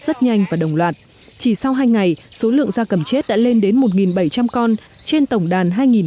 rất nhanh và đồng loạt chỉ sau hai ngày số lượng gia cầm chết đã lên đến một bảy trăm linh con trên tổng đàn hai